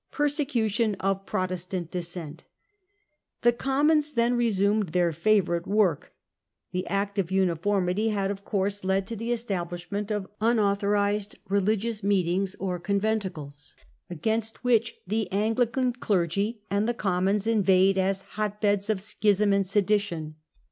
Persecution of Protestant Dissent The Commons then resumed their » favourite work. The Act of Uniformity had of course led to the estab First lishment of unauthorised religious meetings Conventicle or * conventicles/ against which the Anglican May 17, clergy and the Commons inveighed as hotbeds l664 of schism and sedition.